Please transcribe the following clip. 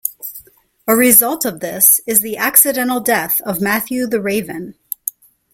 A result of this is the accidental death of Matthew the Raven.